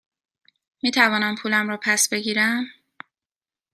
می توانم پولم را پس بگیرم؟